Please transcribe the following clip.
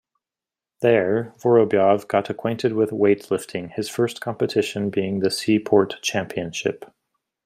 There Vorobyov got acquainted with weightlifting, his first competition being the sea port championship.